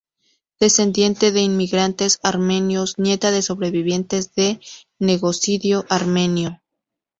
Descendiente de inmigrantes armenios, nieta de sobrevivientes del genocidio armenio.